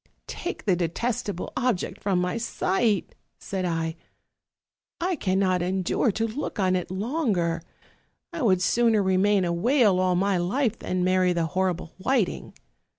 'Take the detest able object from my sight,' said I, 'I cannot endure to look on it longer. 1 would sooner remain a whale all my life than marry the horrible Whiting.'